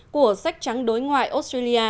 của sách trắng đối ngoại australia